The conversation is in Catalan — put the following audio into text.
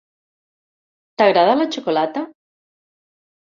T'agrada la xocolata?